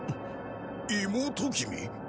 妹君？